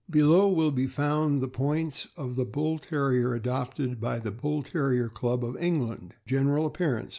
Below will be found the points of the Bull Terrier adopted by the Bull Terrier Club of England: General appearance.